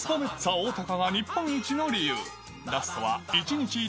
おおたかが日本一の理由。